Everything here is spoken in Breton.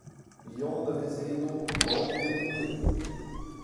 Yann a veze eno Bemdez doue.